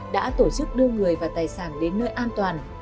đã tổ chức đưa người và tài sản đến nơi an toàn